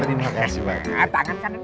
ini pak dek